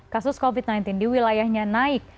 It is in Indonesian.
kasus covid sembilan belas di wilayahnya naik